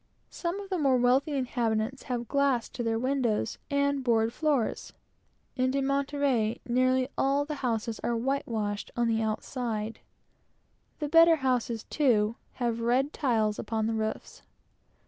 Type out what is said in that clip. Some of the more wealthy inhabitants have glass to their windows and board floors; and in Monterey nearly all the houses are plastered on the outside. The better houses, too, have red tiles upon the roofs.